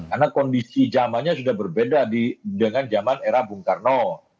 karena kondisi zamannya sudah berbeda dengan zaman era bung karno